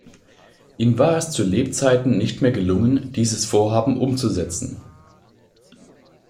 Ihm war es zu Lebzeiten nicht mehr gelungen, dieses Vorhaben umzusetzen.